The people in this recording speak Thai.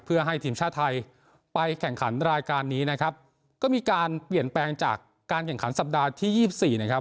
เพื่อให้ทีมชาติไทยไปแข่งขันรายการนี้นะครับก็มีการเปลี่ยนแปลงจากการแข่งขันสัปดาห์ที่ยี่สิบสี่นะครับ